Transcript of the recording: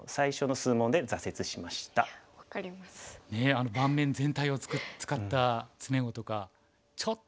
あの盤面全体を使った詰碁とかちょっと。